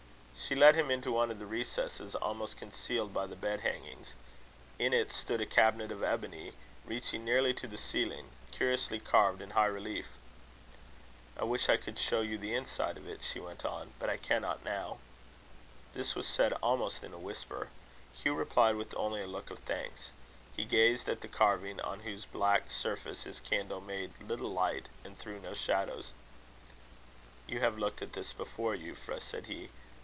She led him into one of the recesses, almost concealed by the bed hangings. In it stood a cabinet of ebony, reaching nearly to the ceiling, curiously carved in high relief. "I wish I could show you the inside of it," she went on, "but I cannot now." This was said almost in a whisper. Hugh replied with only a look of thanks. He gazed at the carving, on whose black surface his candle made little light, and threw no shadows. "You have looked at this before, Euphra," said he.